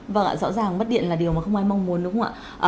vâng ạ rõ ràng mất điện là điều mà không ai mong muốn đúng không ạ